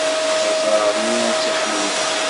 D aẓar-nni i tt-iḥemmlen.